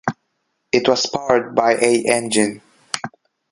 It was powered by a engine.